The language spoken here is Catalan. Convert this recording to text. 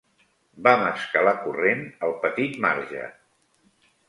Vam escalar corrent el petit marge